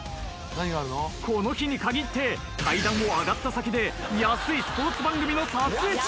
この日に限って階段を上がった先で安いスポーツ番組の撮影中。